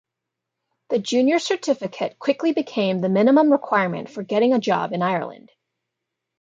The Junior Certificate quickly became the minimum requirement for getting a job in Ireland.